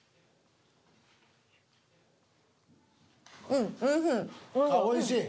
うんおいしい。